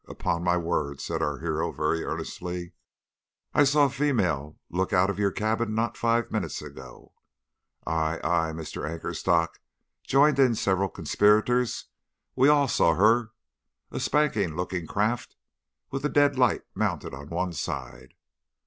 'Upon my word,' said our hero, very earnestly, 'I saw a female look out of your cabin not five minutes ago.' 'Ay, ay, Mr. Anchorstock,' joined in several of the conspirators. 'We all saw her a spanking looking craft with a dead light mounted on one side.